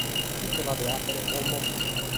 Ite b’at de fàghere como?